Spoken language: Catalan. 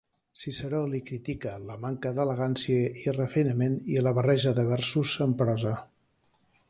Ciceró li critica la manca d'elegància i refinament i la barreja de versos amb prosa.